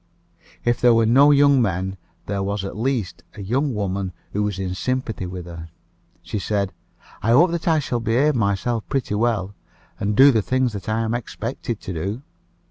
If there were no young men, there was at least a young woman who was in sympathy with her. She said, "I hope that I shall behave myself pretty well, and do the things I am expected to do."